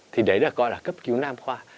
thì đấy được gọi là cấp cứu nam khoa